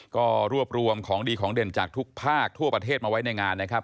ก็รวบรวมของดีของเด่นจากทุกภาคทั่วประเทศมาไว้ในงานนะครับ